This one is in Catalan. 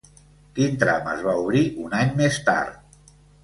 Quin tram es va obrir un any més tard?